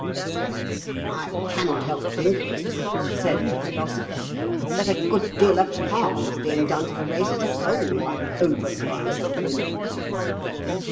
'" "I cannot help thinking," said the Philosopher, "that a good deal of harm is being done to the race as a whole by the overpraise of women."